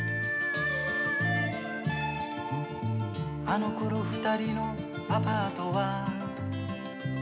「あのころふたりのアパートは」